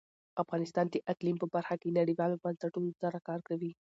افغانستان د اقلیم په برخه کې نړیوالو بنسټونو سره کار کوي.